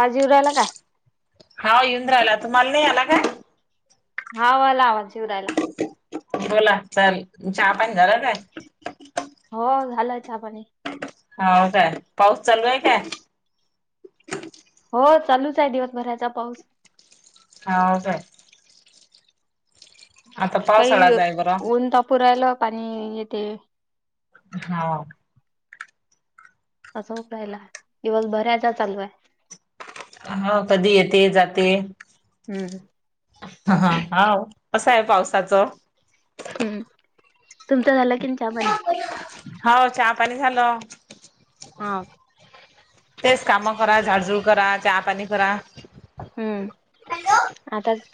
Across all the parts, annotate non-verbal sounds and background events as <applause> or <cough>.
आवाज येवुन रायला का? हा येऊन राहिला, तुम्हाला नाही आला काय? हा मला आवाज येऊ रायला. बोला, चल चहा पाणी झाल काय? हो झालं चहा पाणी. हो काय, पाऊस चालू आहे काय? हो चालूच आहे दिवसभराचा पाऊस. हाव काय. आता काही पावसाळाच आहे बरं ऊन तपू राहिलं पाणी येते. हा. असं होऊक राहिला दिवस भराचा चालू आहे. हो कधी येते जाते. हम्म. हह हाव कसं आहे पावसाचं. हम्म तुमचं झाला की नाही चापाणी. हाव चहा पाणी झालं. हा. तेच काम करा, झाड-झुड करा, चहा पाणी करा. हम्म आताच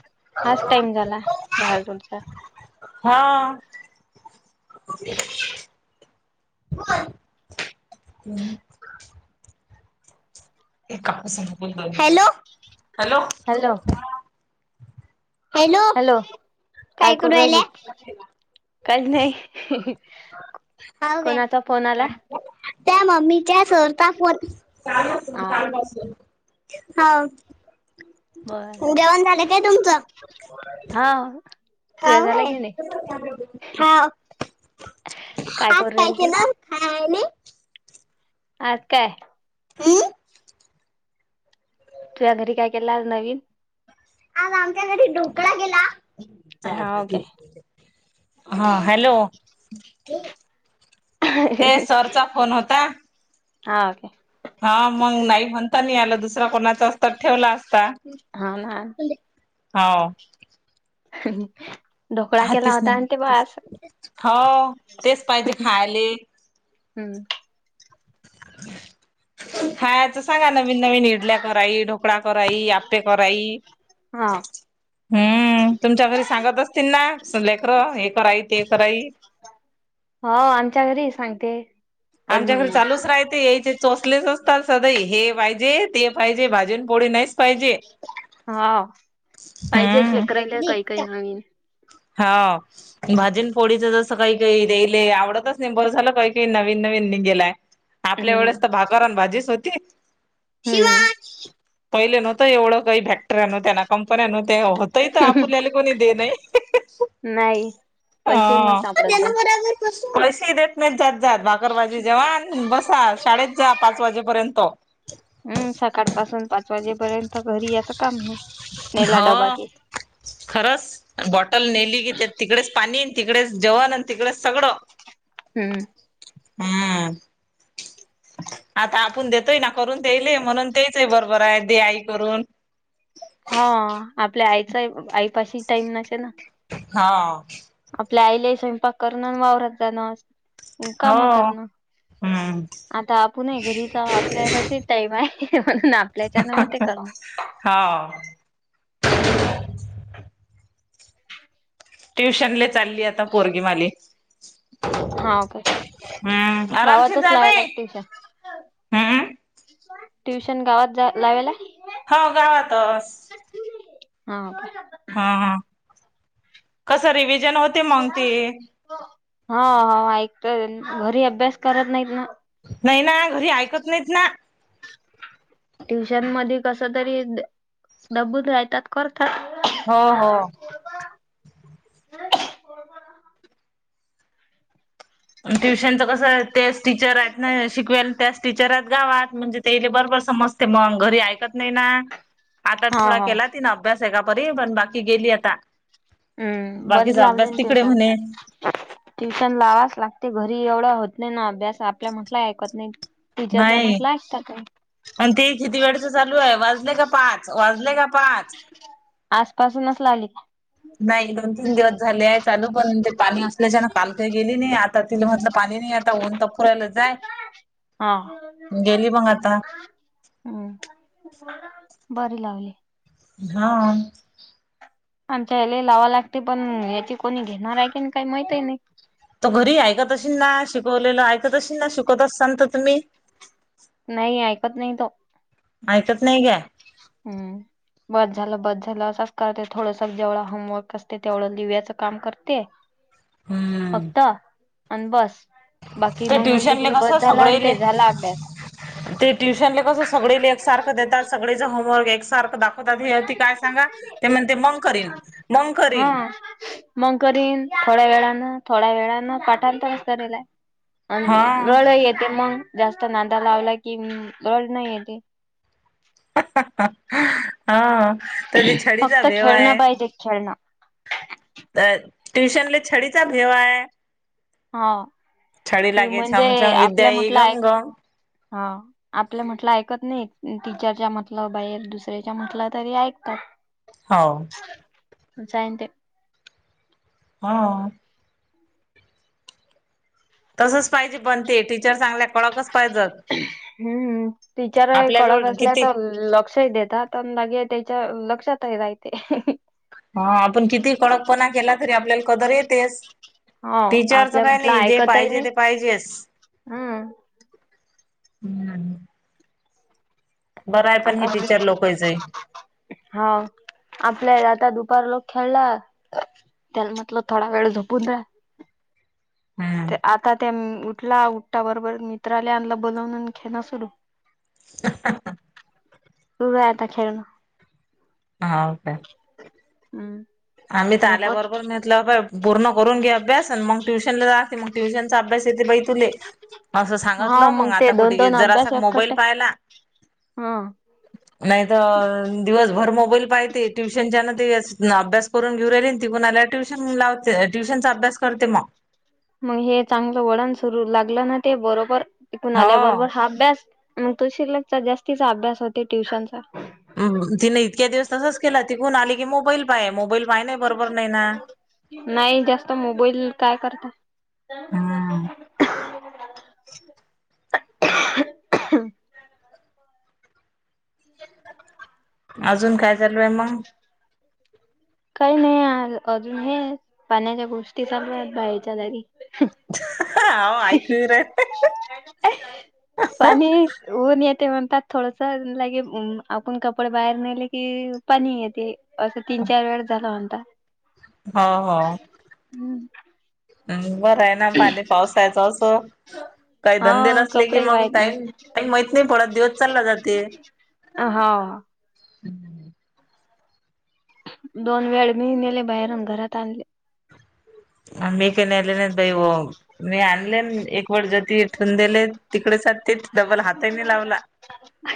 हाच टाइम झाला झाडझुडचा. हा. हम् हॅलो हॅलो. हॅलो. हा. हॅलो, काय करू राहिली? काही नाही, हाव काय कोणाचा फोन आला? त्या मम्मीच्या सर चा फोन, चालू आसल हा चालू काय आसल. होव, बर. जेवण झाल काय तुमचं? आहं त्या व्हय हाव, आज करू काय राहिलती? केलं? खायली. आज काय? हम्म. तुझ्या घरी काय केल आज नवीन? आज आमच्या घरी ढोकळा केला. हाव काय? हा हॅलो, ते सरचा फोन होता. हा काय. हा मग नाही म्हणता नाही आलं दुसरा कोणाचा अस तर ठेवला असता. हाव ना. हाव. हम् हाव तेच पाहिजे खायाले. हम्म. <unintelligible> खायचं सांगा नवीन नवीन इडल्या कराई ढोकळा कराई आपे कराई. हा. हम्म तुमच्या घरी सांगत असतील ना स लेकरं हे कराई ते कराई. हो आमच्या घरी हि सांगते. पण आमच्याकड चालूच राहायते यायचे. सोचलेच <unintelligible> असतात सदई हे पाहिजे ते पाहिजे भाजी न पोळी नाहीच पाहिजे. हा पाहिजे लेकरायले हम्म काय काय नवीन. हा भाजी न पोळीच जसं सकाळी काही काही दे आवडतच नाई भर झालं काही काही नवीन नवीन नीगेलाय आपल्या वेळेस हम्म. तर भात करण भाजीच होती हम्म. शीवाण पहिले नव्हतं एवढं काही फॅक्टर नव्हत्या ना कंपन्या न होतही आपल्याले कोणी दे नाही. नाही. पैसे नाही होव सापडत देना जात. मला आजून से देत नाही जात जात <inaudible> <unintelligible> गरवाजी जेवाण बसा शाळेत जा पाच वाजेपर्यंत. हम् सकाळ पासून पाच वाजेपर्यंत घरी याचं काम नाही. नेला हो डबा की. खरंच बॉटल नेली की तिकडेच पाणी तिकडेच जेवण आणि तिकडेच सगड. हम्म. हम्म. आता आपण देतोय ना करून तेयले म्हणून तेच आहे बरोबर आहे दे आई करून. हा आपल्या आईच आईपाशी टाईम नसे ना हा. आपल्या आईलाही स्वयंपाक करण अन <unintelligible> जाणं अन हो काम करणं हम्म आता आपण आहे घरी जवा आपल्या पशी टाईम हाय. हे म्हणून आपल्याच्या ना म ते करणार हो हम् <unintelligible> ट्युशनले चालली आता पोरगीमाली. हा ओके आरामशीर गावातच जा लावाले बाई. का ट्यूशन? हम्म. ट्युशन गावात जा लावाला. हो गावातस. हा का? हा ह कस रिव्हजन होते मंग ते हो हो ऐकत घरी अभ्यास करत नाहीत ना. नाही ना घरी ऐकत नाहीत ना. ट्युशन मध्ये कस तरी दबून राहतात करतात. हो हो. ट्युशनच कसं तेच टीचर आहेत ना यांना शिकवलेत त्या टीचरात गावात म्हणजे तेले बरोबर समजते मग घरी ऐकत नाही ना आता हा थोडा हा केला तिन अभ्यास आहे का परी पण बाकी गेली आता हम्म बरीच बाकीचा लावले अभ्यास ना तिकडे ट्युशन म्हणे? ट्युशन लावाच लागते घरी एवढं होत नाही ना अभ्यास आपल्या म्हटलं ऐकत नाही. टिचरच्या नाही. म्हणाल आयकता काय. आणि ते किती वेळेच चालू आहे वाजले का पाच वाजले का पाच आजपासूनच लावली. नाही दोन तीन दिवस झाले आहे चालू पण ते पाणी असत ति जनं काल काही गेली नाही आता तिला म्हटलं पाणी नाही आता ऊनता फुरायला जाय हा गेली मग आता हू बरी लावली हा आमच्या ह्यालाही लावायला लागते पण याची कोणी घेणार आहे की नाही काही माहितही नाही तो घरी ऐकत असशीन ना शिकवलेलं ऐकत असशीन ना शिकवत असतान तर तुम्ही नाही ऐकत नाही तो ऐकत नाही घ्या हू बस झालं बस झालं असंच करते थोडस जेवढा होमवर्क असते तेवढं लिव्याचं काम करते हम्म फक्त आणि बस बाकी ते मग म्हणते ट्युशनले की कसं बस झाला अन् सगळेले ते झाला अभ्यास ते ट्युशनले कस सगळीले एकसारखं देतात सगळीचं होमवर्क एकसारखं दाखव हेती काय सांगा ते म्हणते मग करीन मग हा करीन मग करीन थोड्या वेळानं थोड्या वेळानं पाठांतरच करीलाय अ हा रड येते मग जास्त नादा लावला की रडन येते हा तरी छडीचा फक्त भेवा आहे खेळणं पाहिजे खेळणं तर ट्युशनले छडीचा भेवा आहे हा छडी ते लागे म्हणजे छमछम विद्या आपल्या येई म्हटलं हाय घमघम आपलं म्हटलं ऐकत नाहीत अन टीचरच्या म्हटलं बाहेर दुसऱ्याच्या म्हटलं तरी ऐकतात हो जाईन ते हा तसच पाहिजे पण ते टीचर सांगल्या कडकच पाहिजंत हू टीचर कडक असल्या किती तर लक्षही देतात लगे त्याच्या लक्षात ही रायते हा आपण कितीही कडकपणा केला तरी आपल्याला कदर येतेच हो टीचरच आपल्या काय म्हटलं नाही जे ऐकतही पाहिजे नाही. ते पाहिजेच हम्म हू बरं आहे पण हे टीचर लोकवायचंय हा आपल्या आता दुपार लागू खेळला त्याला म्हटलं थोडा वेळ झोपून दे हम्म ते आता ते उठला उठटा बरोबर मित्राले आणला बोलवून आणि खेळायला सुरू <inaudible> होय आता खेळण हाव का हू आम्ही तर आल्याबरोबर नहत पूर्ण करून घे अभ्यास आणि मग ट्यूशन ला राहते मग ट्युशनचा अभ्यास येते बई तुले असं हा सांगतलं मग ते आता दोन कुठेे दोन जरासा अभ्यास एकखट्टा मोबाईल पाहिला हा नाहीत दिवसभर मोबाईल पाहते ट्युशनच्या ना ते अभ्यास करून घेऊ राहिली तीकुण आल्यावर ट्यूशन लावते ट्यूशनचा अभ्यास करते मग मग हे चांगलं वळण सुरू लागलं ना ते बरोबर तीकून हो आल्याबरोबर हा अभ्यास मग तो शिल्लकचा जास्तीचा अभ्यास होते ट्युशनचा तिने इतक्या दिवस तसच केला तीथून आली की मोबाईल पा आहे म मोबाईल पय ना. नाही जास्त मोबाईल काय करत हम्म. तर <unintelligible> अजून काय चालूय म काही नाही अजून हे पाण्याच्या गोष्टी चालूत बाहेच्या तरी. <inaudible> हो ऐकू रा पाणी ऊन येते म्हणतात थोडस लाईट आपण कपडे बाहेर नेले कि पाणी येते असं तीन चार वेळ झाला म्हनता. <unintelligible> हा हा. हम्म. हम् बरं आहे ना पाणी पावसाच असो काही हा धंदे नसले की कपडे मग वाईट नाही टाईम काही माहित नाही पडत दिवस चालला जाते. अ हा. <unintelligible> दोन वेळ मी नेले बाहेरून घरात आणले. आम्ही चे नेले नाही ताई ओ मी आणले एक व ज इठून दिले तिकडेच तेच डबल हाताहीने लावला.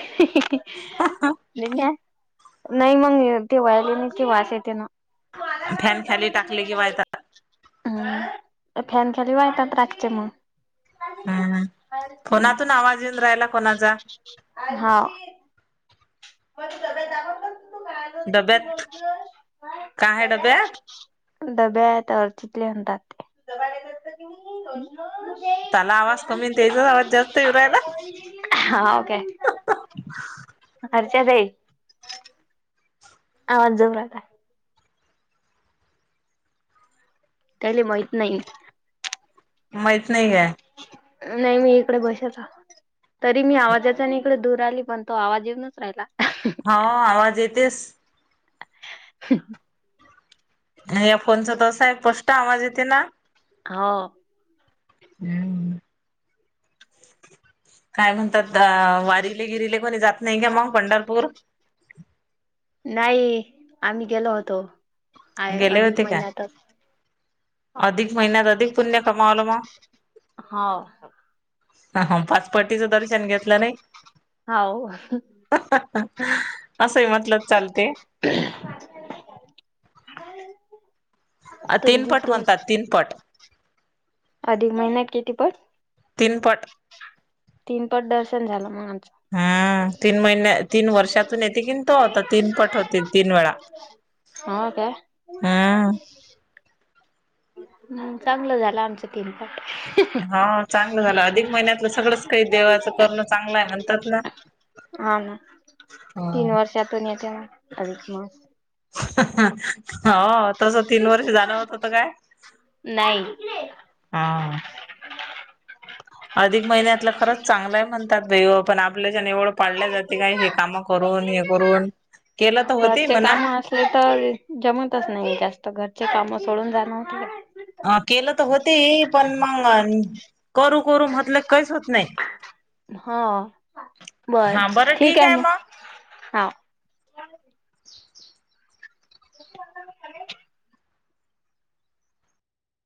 नाही मग ते वयलेने कि वास येते मग. फॅन खाली टाकले की वळता. हम्म फॅन खाली टाकायचे वळतात मग. हम् हम्म फोनातून आवाज येऊन राहिला कोणाचा. हा. हो तू त जा त तू डब्यात का. काय आहे डब्यात <inaudible> डब्या आहेत अडचितले म्हणतात ते. त्याला आवाज कमी त्याचाच आवाज जास्त येरायला. हा हो काय. अच्छा ताई. आवाज जोरात हाय. त्याले माहित नाही माहीत नाही आहे नाही मी इकडे बसल तरी मी आवाजाचा नाही दूर आली पण तो आवाज येेवनच राहिला हा आवाज येतेस <inaudible> या फोनच त असा आहे प्रष्ट आवाज येते ना. हो <inaudible> काय म्हणतात वारीले गिरीले कोणी जात नाही का मग पंढरपूर नाही आम्ही गेलो होतो आ गेले अधिक होते काय महिन्यातच अधिक महिन्यात अधिक पुण्य कमावलं मग हो ह हा पाचपट्टीचं दर्शन घेतलं नाही- हा. असं म्हटल. <inaudible> तीन तुम पट तुम म्हणतात तीन पट अधिक महिन्यात किती पण. तीनपट तीन पट दर्शन झालं मग आमं. हम्म तीन महिन्या तीन वर्षातून येते की तो होता तीन पट होते तीन वेळा हो काय हम्म हम् चांगलं झालं आमचं तीन पट. हा चांगलं झालं अधिक महिन्यातलं सगळंच काही देवाचं करणं चांगलं आहे म्हणतात ना हा ना तीन वर्षातून येत ना अधिक मास. ह हं हं. हो तस तीन वर्ष जाण होत होत काय नाही. हं. अधिक महिन्यातलं खरंच चांगलंय म्हणतात भा आपण आपल्या ज एवढं. पाडल्या जाते काय हे कामं करून हे करून केलं तर होती म्हणा. अस असले तरे. जमतच नाही जास्त घरचे काम सोडून जाण होत अ केलं तर होती पण मग करू करून म्हटलं काहीच होत नाही हो बर ठीक आहे मग, हा <inaudible>